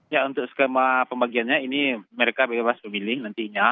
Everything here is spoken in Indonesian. ya untuk skema pembagiannya ini mereka bebas pemilih nantinya